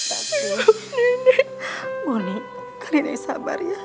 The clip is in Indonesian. ibu nenek bonny kalian yang sabar ya